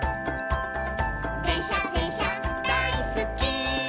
「でんしゃでんしゃだいすっき」